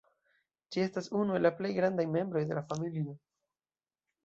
Ĝi estas unu el la plej grandaj membroj de la familio.